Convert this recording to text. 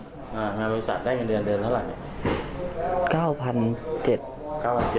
ครับทำงานบริษัท